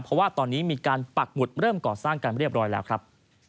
เพราะว่าตอนนี้มีการปักหมุดเริ่มก่อสร้างกันเรียบร้อยแล้วครับ